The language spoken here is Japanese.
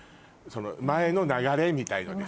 前の流れみたいのでさ。